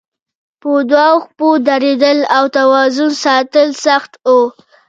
په دوو پښو درېدل او توازن ساتل سخت وو.